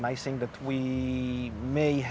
memiliki jawaban yang benar